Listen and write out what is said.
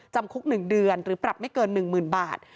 จำคุก๑เดือนหรือปรับไม่เกิน๑๐๐๐บาท